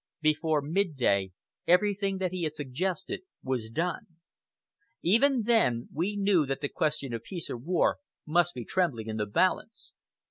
Before midday, everything that he had suggested was done. Even then, we knew that the question of peace or war must be trembling in the balance.